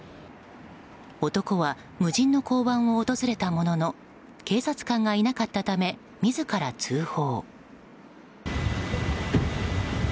男は無人の交番を訪れたものの警察官がいなかったため自ら通報。